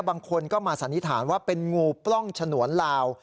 บางคนก็มาสันนิษฐานว่าเป็นงูปล้องฉนวนลาว